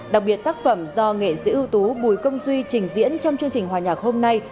đặc biệt tác phẩm do nghệ sĩ ưu tú bùi công duy trình diễn trong chương trình hòa nhạc hôm nay